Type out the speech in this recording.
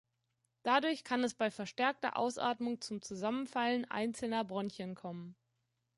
Dadurch kann es bei verstärkter Ausatmung zum Zusammenfallen einzelner Bronchien kommen.